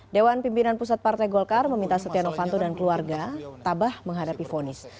dewan pimpinan pusat partai golkar meminta setia novanto dan keluarga tabah menghadapi fonis